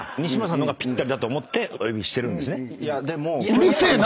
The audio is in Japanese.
うるせえな！